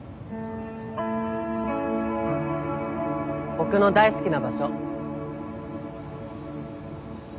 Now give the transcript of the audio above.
ボクの大好きな場所。